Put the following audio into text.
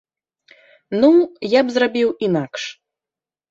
Ну, я б зрабіў інакш.